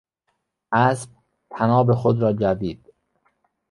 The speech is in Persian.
اسب طناب خود را جوید.